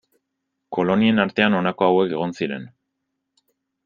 Kolonien artean honako hauek egon ziren.